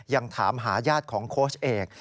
ยังถามหาญาติของโค้ชเอก